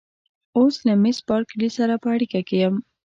اوس له مېس بارکلي سره په اړیکه کې یم.